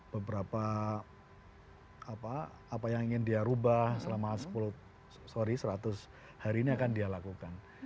beberapa apa yang ingin dia ubah selama seratus hari ini akan dia lakukan